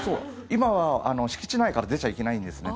今は敷地内から出ちゃいけないんですね。